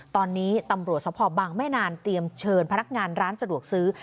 ตอนนี้ตำรวจสภบังไม่นานเตรียมเชิญพนักงานร้านสะดวกซื้อ